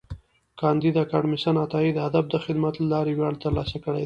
کانديد اکاډميسن عطایي د ادب د خدمت له لارې ویاړ ترلاسه کړی دی.